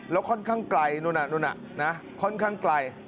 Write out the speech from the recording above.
แล้วค่อนข้างไกลนู่นค่อนข้างไกล